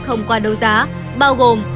không qua đấu giá bao gồm